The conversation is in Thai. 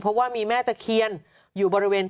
เพราะว่ามีแม่ตะเคียนอยู่บริเวณ